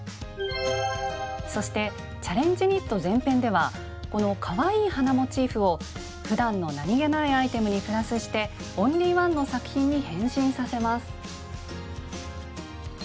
そして「チャレンジニット」前編ではこのかわいい花モチーフをふだんの何気ないアイテムにプラスしてオンリーワンの作品に変身させます。